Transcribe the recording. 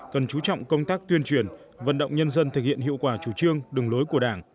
cần chú trọng công tác tuyên truyền vận động nhân dân thực hiện hiệu quả chủ trương đường lối của đảng